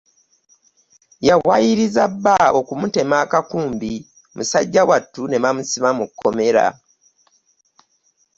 Yawaayiriza bba okumutema akakumbi musajja wattu ne bamusiba mu kkomera.